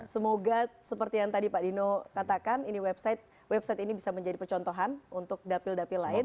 semoga seperti yang tadi pak dino katakan ini website website ini bisa menjadi percontohan untuk dapil dapil lain